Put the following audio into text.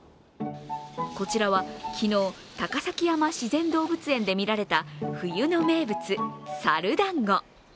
こちらは昨日、高崎山自然動物園で見られた冬の名物、猿だんご。